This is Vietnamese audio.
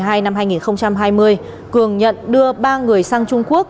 cho đến ngày hai mươi tám tháng một mươi hai năm hai nghìn hai mươi cường nhận đưa ba người sang trung quốc